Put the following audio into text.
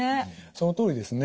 そのとおりですね。